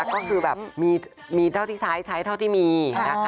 ก็คือแบบมีเท่าที่ซ้ายใช้เท่าที่มีนะคะ